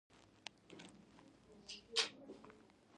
ازادي راډیو د سوداګریز تړونونه اړوند شکایتونه راپور کړي.